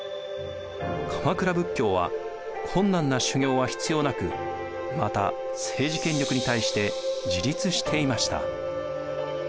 鎌倉仏教は困難な修行は必要なくまた政治権力に対して自立していました。